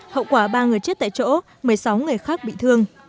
hậu quả ba người chết tại chỗ một mươi sáu người khác bị thương